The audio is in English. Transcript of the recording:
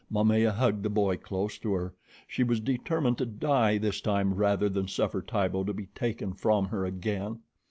Momaya hugged the boy close to her. She was determined to die this time rather than suffer Tibo to be taken from her again.